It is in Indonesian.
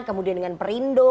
kemudian dengan perindo